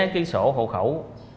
cái sổ hộ khẩu